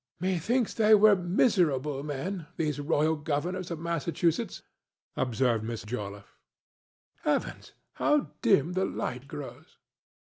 "Methinks they were miserable men—these royal governors of Massachusetts," observed Miss Joliffe. "Heavens! how dim the light grows!"